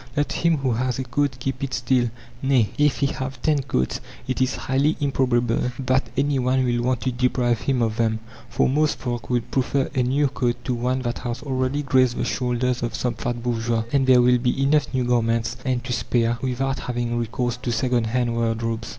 Let him who has a coat keep it still nay, if he have ten coats it is highly improbable that any one will want to deprive him of them, for most folk would prefer a new coat to one that has already graced the shoulders of some fat bourgeois; and there will be enough new garments, and to spare, without having recourse to second hand wardrobes.